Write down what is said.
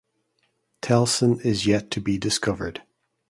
Telson is yet to be discovered.